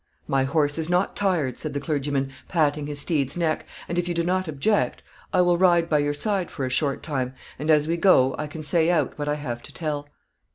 "My horse is not tired," said the clergyman, patting his steed's neck; "and if you do not object, I will ride by your side for a short time, and as we go, I can say out what I have to tell."